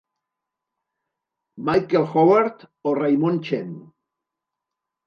Michael Howard o Raymond Chen.